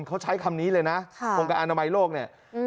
เขาใช้คำนี้เลยนะองค์การอนามัยโลกเนี่ย